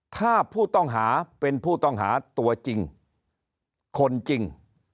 ถ้าผู้ต้องหาเป็นผู้ต้องหาตัวจริงคนจริง